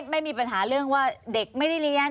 ไม่มีปัญหาเรื่องว่าเด็กไม่ได้เรียน